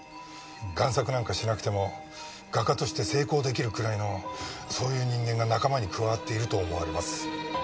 贋作なんかしなくても画家として成功出来るくらいのそういう人間が仲間に加わっていると思われます。